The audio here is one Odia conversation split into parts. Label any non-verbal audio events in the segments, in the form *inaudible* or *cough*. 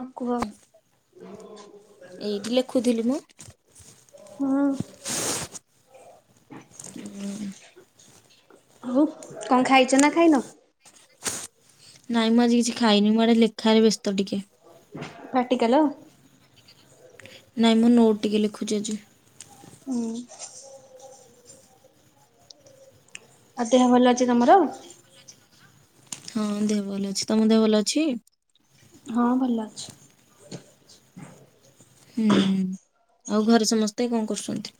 ହଁ କୁହ। ଏଇଠି ଲେଖୁଥିଲି ମୁଁ ହଁ। ଆଉ କଣ ଖାଇଛ ନା ଖାଇନ? ନାଇଁ ମୁଁ ଆଜି କିଛି ଖାଇନି ମୁଁ ଆଡେ ଲେଖାରେ ବ୍ୟସ୍ତ ଟିକେ। ପାଟି କାଲ? ନାଇଁ ମୁଁ ନୋଟ୍ ଟିକେ ଲେଖୁଛି ଆଜି। ହୁଁ। ଆଉ ଦେହ ଭଲ ଅଛି ତମର? ହଁ ଦେହ ଭଲ ଅଛି। ତମ ଦେହ ଭଲ ଅଛି? ହଁ ଭଲ ଅଛି। ହୁଁ ଆଉ ଘରେ ସମସ୍ତେ କଣ କରୁଛନ୍ତି?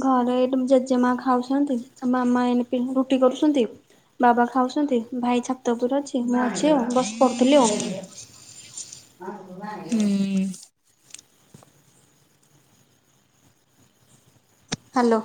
ଘରେ ଏଇଟି ଜେଜେମା ଖାଉଛନ୍ତି ଆ ମାମା ଏଇନା ରୁଟି କରୁଛନ୍ତି। ବାବା ଖାଉଛନ୍ତି। ଭାଇ ଛାତ ଉପୁରେ ଅଛି। ମୁଁ ଅଛି ଆଉ ବସ ପଢୁଥିଲି ଆଉ। ହଁ ହୁଁ ହାଲୋ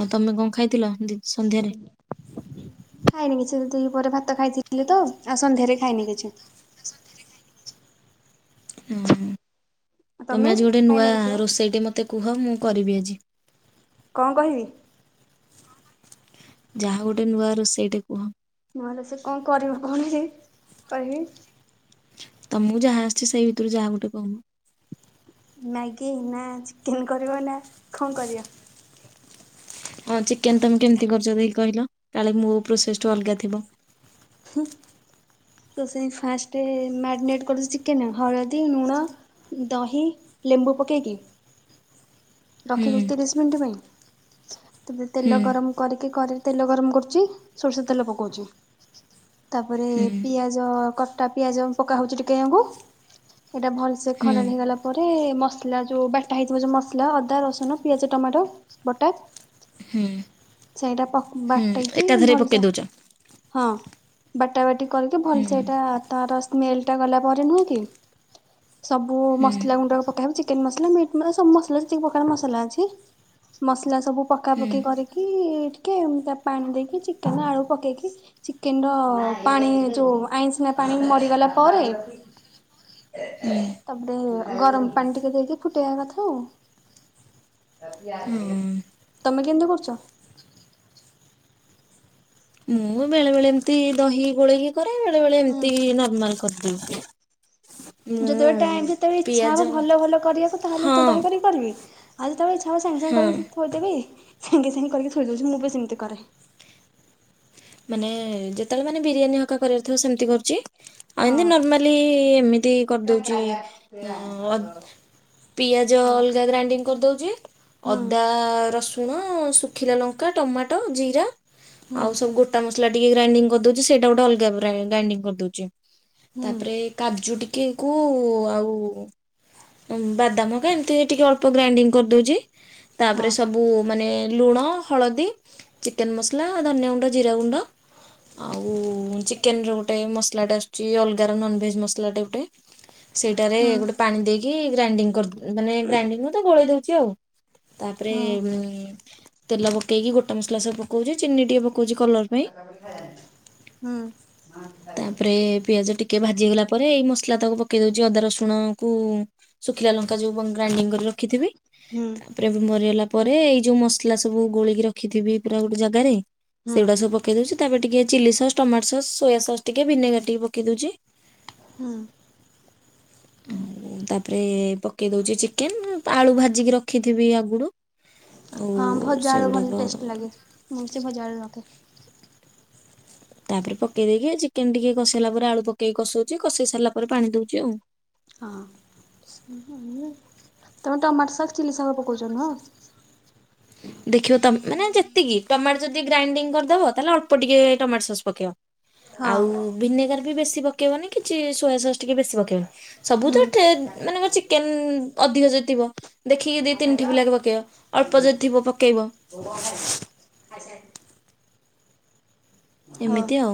ଆଉ ତମେ କଣ ଖାଇଥିଲ ଦି? ସନ୍ଧ୍ୟାରେ? *inaudible* ଖାଇନି କିଛି ଦି ପହରେ ଭାତ ଖାଇଥିଲି ତ ଆଉ ସନ୍ଧ୍ୟାରେ ଖାଇନି କିଛି। ହଁ ଆଉ ତମେ ଆଜି ଗୋଟେ ଖାଇନ ନୂଆ କିଛି ଆଉ ରୋଷେଇ ଟେ ମତେ କୁହ ମୁଁ କରିବି ଆଜି। କଣ କହିବି? ଯାହା ଗୋଟେ ନୂଆ ରୋଷେଇ ଟେ କୁହ। ନୂଆ ରୋଷେଇ କଣ କରିବ କହୁନ ସେହି କହିବି। ତମକୁ ଯାହା ଆସିଛି ସେଇ ଭିତରୁ ଯାହା ଗୋଟେ କହୁନ। ମ୍ୟାଗି ନା ଚିକେନ କରିବ ନା କଁ କରିବ। ହଁ ଚିକେନ ତମେ କେମିତି କରଛ ଦେଖି କହିଲ କାଳେ ମୋ ପ୍ରୋସେସ‌ ଠୁ ଅଲଗା ଥିବ। ହୁଁ ଆଗେ ସେଇ ଫାଷ୍ଟ ମାରିନେଟ କରି‌ ଦଉଚି ଚିକେନ ହଳଦୀ ନୁଣ। ଦହି ଲେମ୍ବୁ ପକେଇକି। ହୁଁ ରଖିଦଉଛି ତିରିଶ ମିନିଟ୍ ପାଇଁ ତାପରେ ହୁଁ ତେଲ ଗରମ। କରିକି କରେଇ ରେ ତେଲ ଗରମ କରୁଛି ସୋରିଷ ତେଲ ପକଉଛି ତାପରେ ହୁଁ ପିଆ ଯୋଉ କଟା ପିଆଜ ପକା ହଉଚି ଟିକେ ହ୍ୟାକୁ ଏଇଟା ଭଲସେ ହୁଁ। ଖରଡ଼ି ହେଇଗଲା। ପରେ ମସଲା ଯୋଉ ବାଟା ହେଇଥିବ ଯୋଉ ମସଲା ଅଦା ରସୁଣ ପିଆଜ ଟମାଟ ବଟା। ସେଇଟା ପାକ ହୁଁ ବାଟେଇକି ଏକାଥରେ ଭଲ ପକେଇ ସେ ଦଉଛ ହଁ ବାଟା ବାଟି କରିକି ଭଲସେ ଏଇଟା। ତାର ସ୍ମେଲ ଟା ଗଲା ପରେ ନୁହେଁ କି। ସବୁ ମସଲା ଗୁଣ୍ଡା ପକାହବ ଚିକେନ ମସଲା ମିଟ୍ ସବୁ ମସଲା ଯେତିକି ପ୍ରକାର ମସଲା ଅଛି। ମସଲା ସବୁ ପକାପକି କରିକି ଟିକେ ତା ପାଣି ଦେଇକି ଚିକେନ ଆଳୁ ପକେଇକି। ଚିକେନ ର ପାଣି ଯୋଉ ଆଇଁସିଣିଆ ପାଣି ମରିଗଲା ପରେ। ହୁଁ ତାପରେ ଗରମ ପାଣି ଟିକେ ଦେଇକି ଫୁଟେୟା କଥା ଆଉ। ହଁ। ତମେ କେମତି କରୁଛ। ମୁଁ ବେଳେ ବଳେ ଏମିତି ଦହି ଗୋଳେଇକି କରେ ବେଳେ ବଳେ ହୁଁ ଏମିତି ନର୍ମାଲ। କରିଦଉଚି। ଯେତେବେଳେ ଟାଇମ ଯେତେବେଳେ ଇଛା ହବ ଭଲ ଭଲ କରିବାକୁ ତାହେଲେ ହଁ ଦହି କରି କରିବି। ଆଉ ଯେତେଳେ ଇଚ୍ଛା ହବ ସାଙ୍ଗ ସାଙ୍ଗ ହଁ। କରିକି ଥୋଇଦେବି ସାଙ୍ଗେ ସାଙ୍ଗେ କରିକି ଥୋଇ ଦଉଚି ମୁଁ ବି ସେମିତି କରେ। ଏ ଯେତେ ବେଳେ ମାନେ ବିରିୟାନୀ ହକା କରିବାର ଥିବ ସେମିତି କରୁଛି। ଆଉ ଏମତି ହଁ ନର୍ମାଲି ଏମିତି କରିଦଉଚି ଅଁ ଅଦ ପିଆଜ ହଁ ଅଲଗା ଗ୍ରାଇଣ୍ଡିଙ୍ଗ କରିଦଉଚି ହୁଁ ଅଦା ରସୁ ସୁଣ ଶୁିଖିଲା ଲଙ୍କା ଟମାଟ ଜିରା ହୁଁ ଆଉୁ ସବୁ ଗୋଟ ମସଲା। ଟିକେ ଗ୍ରାଇଣ୍ଡିଙ୍ଗ ‌କରି ଦଉଛି ସେଇଟା ଗୋଟେ ଅଲଗା ଗ୍ରା ଗ୍ରାଇଣ୍ଡିଙ୍ଗ କରିଦଉଛି ହୁଁ ତାପରେ। କାଜୁ ଟିକେକୁ ଆଉ। ବାଦାମ କା ଏମିତି ଟିକେ ଅଳ୍ପ ଗ୍ରାଇଣ୍ଡିଙ୍ଗ କରିଦଉଛି ହଁ ତାପରେ ସବୁ। ସବୁ ମାନେ ଲୁଣ ହଳଦୀ ଚିକେନ ମସଲା ଧନିଆ ଗୁଣ୍ଡ ଜିରା ଗୁଣ୍ଡ। ଆଉ ଚିକେନର ଗୋଟେ ମସଲାଟା ଆସୁଛି ଅଲଗାର ନନଭେଜ୍ ମସଲାଟେ ଗୋଟେ। ସେଇଟାରେ ହୁଁ। ଗୋଟେ ପାଣି ଦେଇକି ଗ୍ରାଇଣ୍ଡିଙ୍ଗ କରି ମାନେ ଗ୍ରାଇଣ୍ଡିଙ୍ଗ ନୁହେଁ ତ ଗୋଳେଇ ଦଉଛି ଆଉ। ତାପରେ ହଁ ଉଁ। ତେଲ ପକେଇକି ଗୋଟା ମସଲା ସବୁ ପକଉଛି ଚିନି ଟିକେ ପକଉଛି କଲର ପାଇଁ। ହୁଁ। *unintelligible* ତାପରେ ପିଆଜ ଟିକେ ଭାଜି ହେଇଗଲା ପରେ ଏଇ ମସଲା ତକ ପକେଇ ଦଉଛି ଅଦା ରସୁଣକୁ। ଶୁଖିଲା ଲଙ୍କା ଯୋଉ ବ ଗ୍ରାଇଣ୍ଡିଙ୍ଗ କରି ରଖିଥିବି। ହୁଁ ତାପରେ ମରିଗଲା ପରେ ଏଇ ଯୋଉ ମସଲା ସବୁ ଗୋଳେଇକି ରଖିଥିବି ପୁରା ଗୋଟେ ଜାଗାରେ ହୁଁ ସେଗୁଡା ସବୁ ପକେ ପକେଇ ଦଉଛି ତାପରେ ଟିକେ chilli sauce tomato sauce soya sauce ଟିକେ ଭିନେଗାର ଟିକେ ପକେଇ ଦଉଛି। ହଁ। ଆଉ ତାପରେ ପକେଇ ଦଉଛି ଚିକେନ ଆଳୁ ଭାଜିକି ରଖିଥିବି ଆଗୁରୁ। ହଁ ଭଜା ଆଳୁ ଭଲ ଟେଷ୍ଟି ଲାଗେ। ମୁଁ ସେ ଭଜା ଆଳୁ ରଖେ। ତାପରେ ପକେଇ ଦେଇକି ଚିକେନ ଟିକେ କଷେଇଲା ପରେ ଆଳୁ ପକେଇକି କସଉଛି କଷେଇ ସାରିଲା ପରେ ପାଣି ଦଉଛି ଆଉ। ହଁ ସବୁ ଇଏ ତମେ ଟମାଟ ସସ୍ ଚିଲି ସସ୍ ପକଉଛ ନୁଅ। ଦେଖିବ ତ ମାନେ ଯେତିକି ଟମାଟୋ ଯଦି ଗ୍ରାଇଣ୍ଡିଙ୍ଗ କରିଦବ ତାହେଲେ ଅଳ୍ପ ଟିକେ ଟମାଟୋ ସସ୍ ପକେଇବା। ହଁ ଆଉ ଭିନେଗାର ବି ବେଶୀ ପକେଇବନି କି ଚି ସୋୟା ସସ୍। ଟିକେ ବେଶୀ ପକେଇବନି ସବୁ ତ ହୁଁ ଟେ ମାନେ କ ଚିକେନ ଅଧିକ ଯଦି ଥିବ। ଦେଖିକି ଦି ତିନି ଠିିପି ଲାଖେ ପକେଇବ ଅଳ୍ପ ଯଦି ଥିବ ପକେଇବ। ହଁ ଏମିତି ଆଉ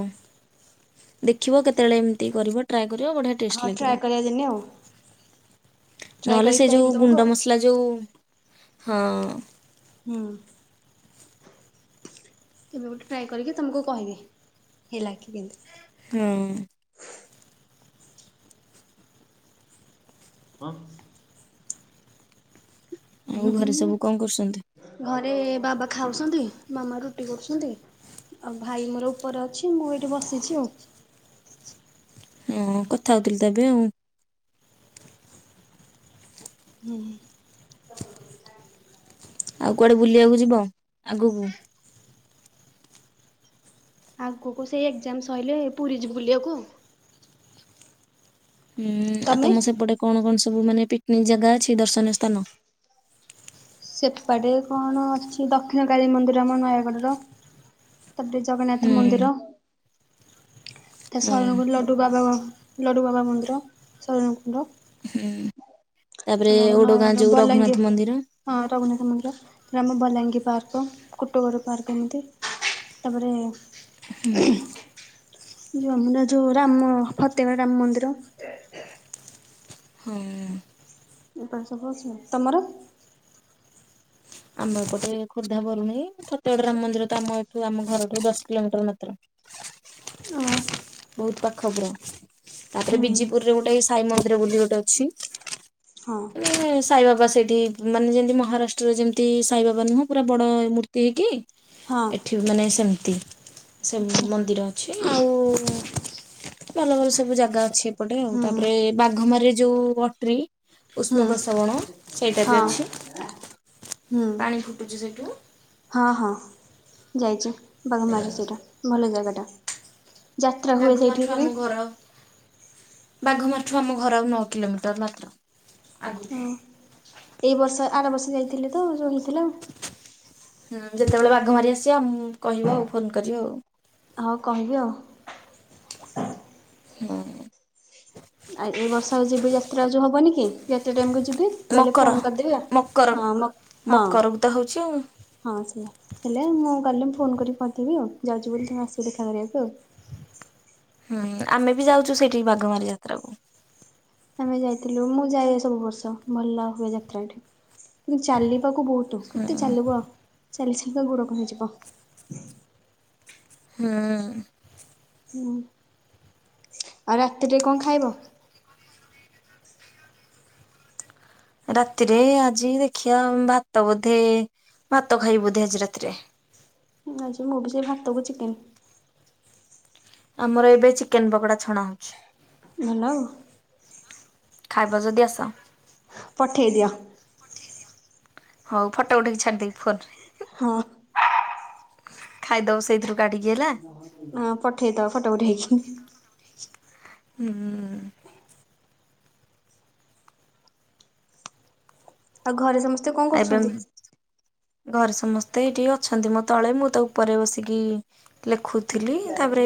ଦେଖିବ କେତେବେଳେ ଏମିତି କରିବ ଟ୍ରାଏ କରିବ ବଢ଼ିଆ ହଁ ଟେଷ୍ଟ ଟ୍ରାଏ ଲାଗିବ, କରିବା ଦିନେ ଆଉ ଟ୍ରାଏ ନହଲେ କରିକି ସେ କହିବି ଯୋଉ ତମକୁ ଆଉ। ଗୁଣ୍ଡମସ ଲା ଯୋଉ ହଁ ହୁଁ। କେବେ ଗୋଟେ ଟ୍ରାଏ କରିକି ତମକୁ କହିବି ହେଲା କି କେନ୍ତି। ହୁଁ। ହଁ। ହୁଁ ଆଉ ଘରେ ହୁଁ ସବୁ କଣ କରୁଛନ୍ତି? ଘରେ ବାବା ଖାଉଛନ୍ତି, ମାମା ରୁଟି କରୁଛନ୍ତି। ଆଉ ଭାଇ ମୋର ଉପରେ ଅଛି ମୁଁ ଏଇଠି ବସିଛି ଆଉ ହଁ କଥା ହଉଥିଲି ତ ଏବେ ଆଉ ହୁଁ। ହଁ ଆଉ କୁଆଡ଼େ ବୁଲିଆକୁ ଯିବ ଆଗକୁ? ଆଗକୁ ସେଇ ଏକ୍ଜାମ ସରିଲେ ପୁରୀ ଯିବୁ ବୁଲିବାକୁ। ହୁଁ ଆଉ ତମେ? ତମ ସେପଟେ କଣ କଣ ସବୁ ମାନେ ପିକନିକ ଜାଗା ଅଛି ଦର୍ଶନୀୟ ସ୍ଥାନ। ସେପଟେ କଣ ଅଛି ଦକ୍ଷିଣକାଳୀ ମନ୍ଦିର ଆମ ନୟାଗଡର। ତାପରେ ଜଗନ୍ନାଥ ହୁଁ ମନ୍ଦିର। ତା ହଁ ସରଣକୁଳ ଲଡୁବାବା ଲଡୁବାବା ମନ୍ଦିର ଶରଣକୁଳ ର। ହୁଁ ତାପରେ ଓଡଗାଁ ନୟାଗଡ଼ ଯୋଉ ବଲାଙ୍ଗୀର ରଘୁନାଥ ମନ୍ଦିର। ହଁ ରଘୁନାଥ ମନ୍ଦିର ଆମ ବଲାଙ୍ଗୀ ପାର୍କ କୁଟଗର ପାର୍କ ଏମିତି ତାପରେ ହୁଁ। ଯୋଉ ଆମନା ଯୋଉ ରାମ ଫତେଗଡ଼ ରାମ ମନ୍ଦିର ହଁ। *unintelligible* ତମର? ଆମ ଏପଟେ ଖୋର୍ଦ୍ଧା ବରୁଣେଇ ଫତେଗଡ ରାମମନ୍ଦିର ତ ଆମ ଏଠୁ ଆମ ଘରଠୁ ଦଶ କିଲୋମିଟର ଓ ମାତ୍ର। ବହୁତ ପାଖ ପୁରା। ତାପରେ ହୁଁ ବିଜିପୁରରେ ଗୋଟେ ସାଇ ମନ୍ଦିର ବୋଲି ଗୋଟେ ଅଛି। ହଁ। ସାଇବାବା ସେଇଠି ମାନେ ଯେମିତି ମହାରାଷ୍ଟ୍ରରେ ଯେମିତି ସାଇବାବା ନୁହଁ ପୁରା ବଡ ମୂର୍ତ୍ତି କିି ହଁ ଏଠି ମାନେ ସେମିତି ସେ ମନ୍ଦିର ଅଛି ଆଉ ଭଲ ଭଲ ସବୁ ଜାଗା ଅଛି ଏପଟେ ଆଉ ହୁଁ ତାପରେ ବାଘମାରୀ ଯେଉଁ ଅଟ୍ରି ହୁଁ ଉଷ୍ମ ପ୍ରସବଣ ସେଇଟା ବି ହଁ ଅଛି। ହୁଁ ପାଣି ଫୁଟୁଛି ସେଇଠୁ ହଁ ହଁ ଯାଇଛୁ। ବାଘାମାରି ସେଇଟା ଭଲ ଜାଗାଟା ଯାତ୍ରା ହୁଏ ବାଘମାଠୁ ସେଇଠିକି ବି। ବାଘମାରୀଠୁ ଆମ ଘର ଆଉ ନଅ କିଲୋମିଟର ମାତ୍ର। ହଁ ଆଗକୁ ଏଇ ବର୍ଷ ଆର ବର୍ଷ ଯାଇଥିଲେ ତ ହେଇଥିଲା। ହୁଁ ଯେତେବେଳେ ବାଘମାରି ଆସିବା, କହିବ ଆଉ ଫୋନ କରିବ ଆଉ। ହଉ କହିବି ଆଉ ହଁ। ଆଉ ଏଇ ବର୍ଷ ଆଉ ଯିବି ଯାତ୍ରା ଯଉ ହବନି କି କେତେ ଟାଇମ କୁ ଯିବି। ଗଲେ ମକର ଫୋନ କରିଦେବି ମକର ହଁ ହଁ ମ ମକରକୁ ତ ହଉଛି ଆଉ ହୁଁ ହଁ ସେଇୟା। ହେଲେ ମୁଁ ଗଲେ ମୁଁ ଫୋନ୍ କରିକି କରିଦେବି ଆଉ ଯାଉଚି ବୋଲି ତମେ ଆସିବ ଦେଖା କରିଆକୁ। ହୁଁ ଆମେ ବି ଯାଉଛୁ ସେଇଠି ବାଘମାରି ଯାତ୍ରା କୁ। ଆମେ ଯାଇଥିଲୁ ମୁଁ ଯାଏ ସବୁ ବର୍ଷ ଭଲ ହୁଏ ଯାତ୍ରାଠୁ। କିନ୍ତୁ ଚାଲିବାକୁ ବହୁତ କେତେ ଚାଲିବ ଆଉ ଚାଲି ଚାଲିକି ଗୋଡ଼ କଣ ହେଇଯିବ। ହୁଁ। ହୁଁ, ଆଉ ରାତିରେ କଣ ଖାଇବ? ରାତିରେ ଆଜି ଦେଖିବା ଭାତ ବୋଧେ ଭାତ ଖାଇ ବୋଧେ ଆଜି ରାତିରେ। ଆଜି ମୁଁ ବି ସେଇ ଭାତକୁ ଚିକେନ ଆମର ଏବେ ଚିକେନ ପକୋଡା ଛଣା ହଉଛି। ହ୍ୟାଲୋ ଖାଇବ ଯଦି ଆସ। ଫଠେଇ ଦିଅ। ହଉୋ ଫଟ ଉଠେଇକି ଛାଡିଦବି ଫୋନରେ। ହଁ ଖାଇଦବ ସେଇଥିରୁ କାଡ଼ିକି ହେଲା। ହଁ ପଠେଇଦବା ଫଟୋ ଉଠେଇକି। ହୁଁଁ ଆଉ ଘରେ ସମସ୍ତେ କଣ ଏବେ କରୁଛନ୍ତି? ଘରେ ସମସ୍ତେ ଏଇଠିକି ଅଛନ୍ତି ମୋ ତଳେ ମୁଁ ତା ଉପରେ ବସିକି ଲେଖୁଥିଲି ତାପରେ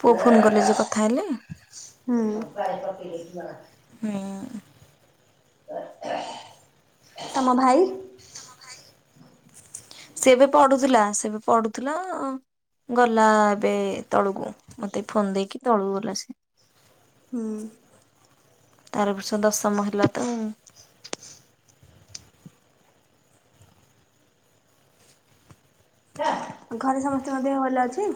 ପୁଅ ଫୋନ୍ କଲେ ଯେ କଥା ହେଲି ହୁଁ ହୁଁ ତମ ଭାଇ? ସେବେ ପଢୁଥିଲା ସେବେ ପଢୁଥିଲା ଗଲା ଏବେ ତଳକୁ ମତେ ଫୋନ ଦେଇକି ତଳକୁ ଗଲା ସେ ହଁ। ତାର ଏ ବର୍ଷ ଦଶମ ହେଲା ତ ଆଉ। ଘରେ ସମସ୍ତଙ୍କ ଦେହ ଭଲ ଅଛି?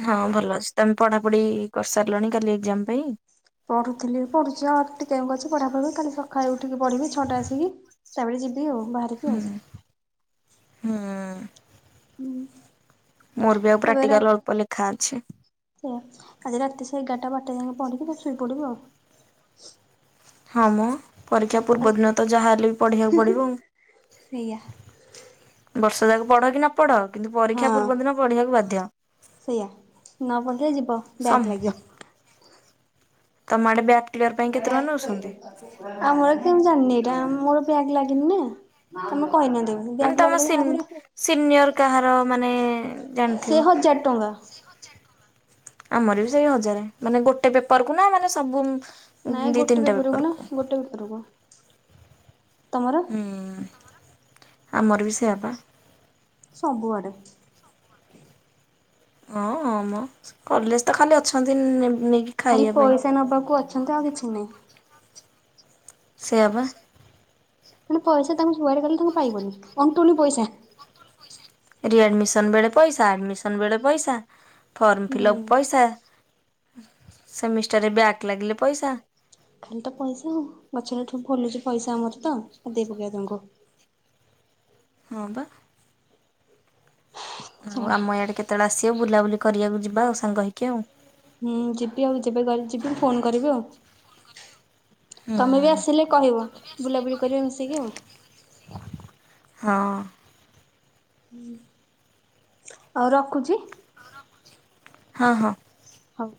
ହଁ ଭଲ ଅଛି ତମେ ପଢାପଢି କରିସାରିଲଣି କାଲି ଏକ୍ଜାମ ପାଇଁ? ପଢ଼ୁଥିଲି ପଢୁଛି ଆଉ ଟିକେ ତକ ଅଛି ପଢା ପଢି କାଲି ସକାଳେ ଉଠିକ ପଢିବି ଛଅଟା ରେ ବସିକି। ତାପରେ ଯିବି ଆଉ ବାହାରିକି। ହଁ ହଁ। *inaudible* ମୋର ବି ଆଉ ଏବେ ରା ପ୍ରାକ୍ଟିକାଲ ଅଳ୍ପ ଲେଖା ଅଛି। ଆଜି ରାତି ସେ ଏଗାରଟା ବାରଟା ଯାଇକି ପଢ଼ିବି ତାପରେ ଶୋଇ ପଡ଼ିବି ଆଉ। ହଁ ମୋ ପରୀକ୍ଷା ପୂର୍ବଦିନ ତ ଯାହାହେଲେ ବି ପଢ଼ିବାକୁ ପଡ଼ିବ। ସେଇଆ ବର୍ଷ ଯାକ ପଢ କି ନ ପଢ କିନ୍ତୁ ପରୀକ୍ଷା ହଁ ପୂର୍ବ ଦିନ ପଢିବାକୁ ବାଧ୍ୟ। ସେଇଆ ନ ପଢିଲେ ଯିବ ସମ ବ୍ୟାକ୍ ଲାଗିବ। ତମ ଆଡେ ବ୍ୟାକ୍ କ୍ଲିୟର ପାଇଁ କେତେ ଟଙ୍କା ନେଉଛନ୍ତି? ଆମର କେମତି ଜାଣିନି ଏଇଟା ମୋର ବ୍ୟାକ ଲାଗିନି ନା ତମେ କହିନାହାନ୍ତି ଏ ବର୍ଷ। ମାନେ ବଙ୍କ ତମ ଲାଗିଲ ସିନ୍ ଯାହା କରିବ ସିନିୟର ସେ, କାହାର ମାନେ ଜାଣିଥିବ? ସେ ହଜାର ଟଙ୍କା। *inaudible* *unintelligible* ଆମର ବି ସେଇ ହଜାରେ ମାନେ ଗୋଟେ ପେପର କୁ ନା ମାନେ ସବୁ ନାଇଁ ଦି ଗୋଟେ ତିନିଟା ପେପରକୁ ନା ଗୋଟେ ପେପରକୁ। ତମର? ହୁଁ ଆମର ବି ସେଇଏ ପା। ସବୁଆଡ଼େ। ହଁ ହଁ ମ କଲେଜ ତ ଖାଲି ଅଛନ୍ତି ନେମ ନେଇକି ଖାଲି ଖାଇବା ପାଇଁ ପଇସା ନବାକୁ ଅଛନ୍ତି ଆଉ କିଛି ନାହିଁ। ସେଇଆ ପା। ମାନେ ପଇସା ତାଙ୍କୁ କୁଆଡେ ଗଲେ ତାଙ୍କୁ ପାଇବନି ଅଣ୍ଟୁନି ପଇସା ରିଡମିସନ ବେଳେ ପଇସା ଆଡମିସନ ବେଳେ ପଇସା ଫର୍ମ ହୁଁ। ଫିଲଅପ ପଇସା। ସେମିଷ୍ଟାରରେ ବ୍ୟାକ ଲାଗିଲେ ପଇସା ଖାଲି ତ ପଇସା ଆଉ, ଗଛରେ ଫଳୁଛି ପଇସା ଆମର ତ ଦେଇ ପକିଇବ ତାଙ୍କୁ। ହଁ ବା। ଆଉ ଛାଡ ଆମ ଇଆଡେ କେତେବେଳେ ଆସିବ ବୁଲାବୁଲି କରିବାକୁ ଯିବା ଆଉ ସାଙ୍ଗ ହେଇକି ଆଉ। ହୁଁ ଯିବି ଆଉ ଯିବେ କହିଲେ ଯିବି ଫୋନ କରିବି ଆଉ ହୁଁ ତମେ ବି ଆସିଲେ। କହିବ ବୁଲାବୁଲି କରିବେ ମିଶିକି ଆଉ। ହଁ। ହଁ ଆଉ ରଖୁଛି। ହଁ ହଁ ହଉ।